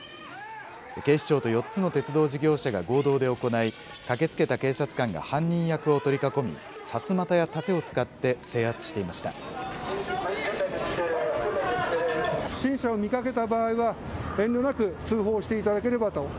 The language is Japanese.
警視庁と４つの鉄道事業者が合同で行い、駆けつけた警察官が犯人役を取り囲み、さすまたや盾を使って制圧していました。